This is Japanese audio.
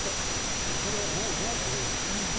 それはどうトレーニングするの？